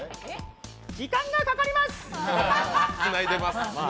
時間がかかります！